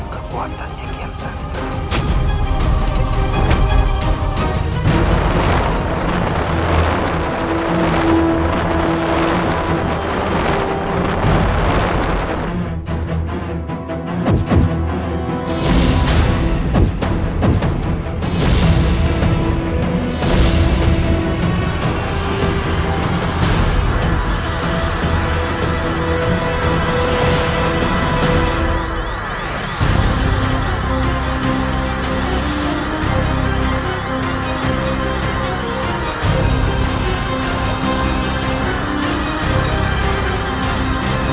kekuatannya kian santan